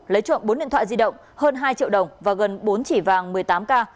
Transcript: lấy trộm bốn điện thoại di động hơn hai triệu đồng và gần bốn chỉ vàng một mươi tám k